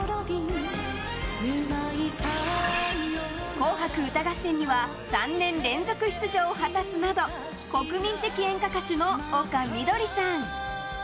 「紅白歌合戦」には３年連続出場を果たすなど国民的演歌歌手の丘みどりさん。